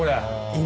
今。